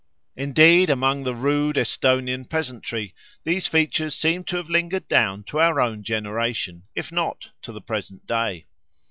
Indeed, among the rude Esthonian peasantry these features seem to have lingered down to our own generation, if not to the present day.